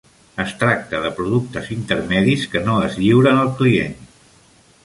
Es tracta de productes intermedis que no es lliuren al client.